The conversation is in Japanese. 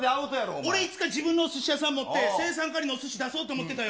俺、いつか自分のおすし屋さんもって青酸カリのおすし、出そうと思ってたよ。